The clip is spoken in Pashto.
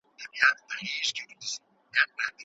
مور یې د ناهیلۍ په څپو کې د لور د تسلیت هڅه کوله.